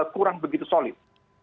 kurang begitu solid